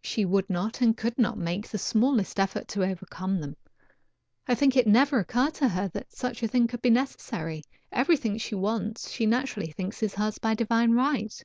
She would not and could not make the smallest effort to overcome them. I think it never occurred to her that such a thing could be necessary; everything she wants she naturally thinks is hers by divine right.